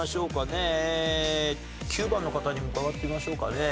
え９番の方に伺ってみましょうかね。